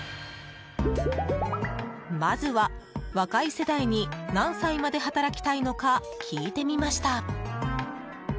まずは、若い世代に何歳まで働きたいのか聞いてみました。